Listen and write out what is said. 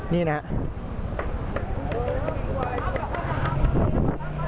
นี่นะครับ